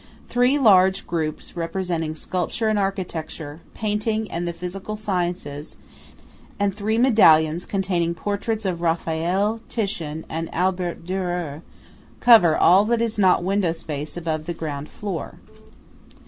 Three large groups representing Sculpture and Architecture, Painting, and the Physical Sciences, and three medallions containing portraits of Raffaelle, Titian and Albert Dürer, cover all that is not window space above the ground floor.